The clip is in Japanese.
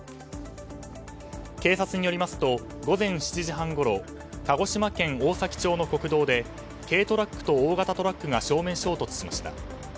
警察によりますと午前７時半ごろ鹿児島県大崎町の国道で軽トラックと大型トラックが正面衝突しました。